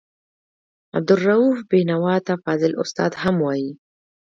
عبدالرؤف بېنوا ته فاضل استاد هم وايي.